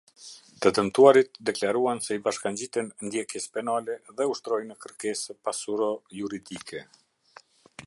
Të dëmtuarit deklaruan se i bashkangjiten ndjekjes penale dhe ushtrojnë kërkesë pasuro-juridike.